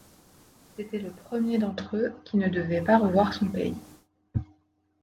C’était le premier d’entre eux qui ne devait pas revoir son pays.